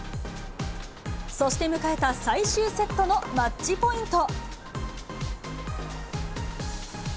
そして迎えた最終セットのマッチポイント。